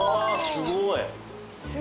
すごい。